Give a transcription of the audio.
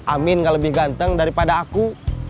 amin gak lebih ganteng daripada aku